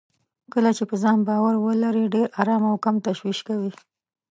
کله چې په ځان باور ولرئ، ډېر ارام او کم تشويش کوئ.